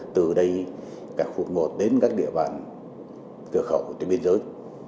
từ đây cả khu vực một đến các địa bàn cơ khẩu trên biên giới